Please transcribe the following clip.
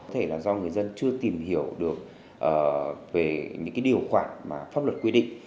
có thể là do người dân chưa tìm hiểu được về những điều khoản mà pháp luật quy định